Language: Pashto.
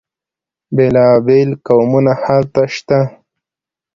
بیلا بیل قومونه هلته شته.